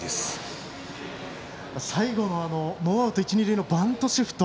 最後のノーアウト一塁二塁のバントシフト。